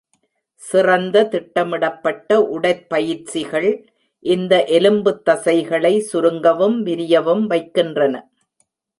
சிறந்த, திட்டமிடப்பட்ட உடற்பயிற்சிகள், இந்த எலும்புத்தசைகளை சுருங்கவும் விரியவும் வைக்கின்றன.